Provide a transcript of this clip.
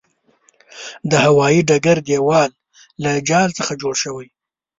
د هوايې ډګر دېوال له جال څخه جوړ شوی.